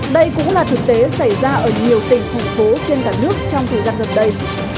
đây cũng là thực tế xảy ra ở nhiều tỉnh thành phố trên cả nước trong thời gian gần đây